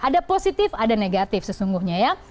ada positif ada negatif sesungguhnya ya